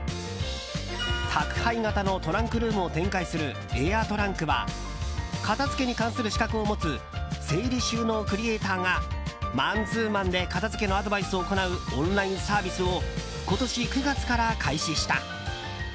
宅配型のトランクルームを展開するエアトランクは片付けに関する資格を持つ整理収納クリエーターがマンツーマンで片付けのアドバイスを行うオンラインサービスを今年９月から開始した。